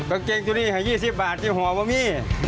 กางเกงตัวนี้ให้๒๐บาทที่ห่อว่ามี